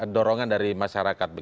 dorongan dari masyarakat